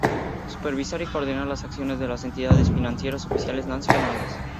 Supervisar y coordinar las acciones de las entidades financieras oficiales nacionales.